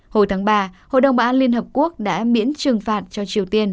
hồi tháng ba hội đồng bảo an liên hợp quốc đã miễn trừng phạt cho triều tiên